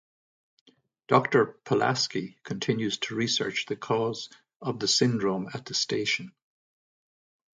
Doctor Pulaski continues to research the cause of the syndrome at the station.